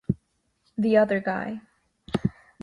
The Other Guy.